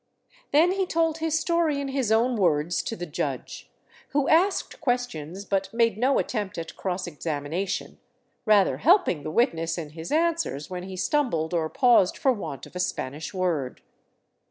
Then he told his story in his own words to the judge, who asked questions but made no attempt at cross examination, rather help ing the witness in his answers when he stumbled or paused for want of a Spanish word.